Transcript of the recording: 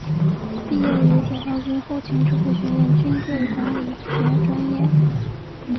毕业于解放军后勤指挥学院军队管理学专业。